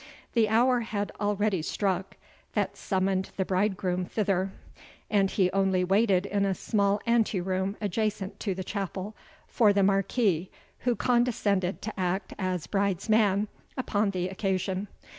The hour had already struck that summoned the bridegroom thither, and he only waited in a small anteroom adjacent to the chapel, for the Marquis, who condescended to act as bride's man upon the occasion.